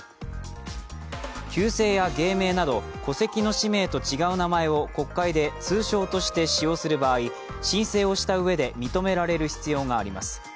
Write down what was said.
旧姓や芸名など戸籍の氏名と違う名前を国会で通称として使用する場合、申請したうえで認められる必要があります。